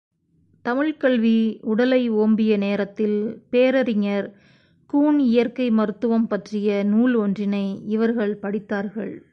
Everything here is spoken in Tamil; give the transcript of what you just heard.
தமிழ்க் கல்வி உடலை ஓம்பிய நேரத்தில் பேரறிஞர் கூன் இயற்கை மருத்துவம் பற்றிய நூல் ஒன்றினை இவர்கள் படித்தார்கள்.